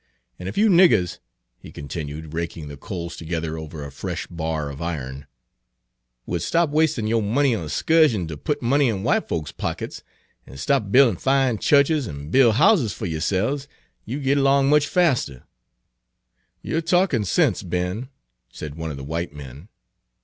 "An' ef you niggers," he continued, raking the coals together over a fresh bar of iron, "would stop wastin' yo' money on 'scursions to put money in w'ite folks' pockets, an' stop buildin' fine chu'ches, an' buil' houses fer yo'se'ves, you'd git along much faster." "You're talkin' sense, Ben," said one of the white men.